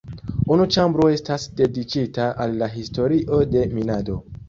Unu ĉambro estas dediĉita al la historio de minado.